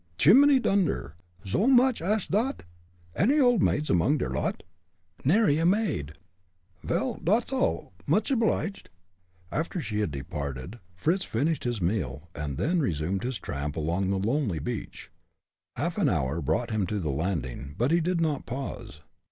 "Shimminy dunder! So mooch ash dot? Any old maids among der lot?" "Nary a maid!" "Vel, dot's all. Much obliged." After she had departed, Fritz finished his meal, and then resumed his tramp along the lonely beach. Half an hour brought him to the landing, but he did not pause.